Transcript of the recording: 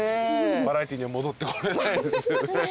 バラエティーには戻ってこれないですよね。